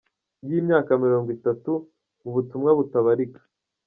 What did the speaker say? y’imyaka mirongo itatu, mu butumwa butabarika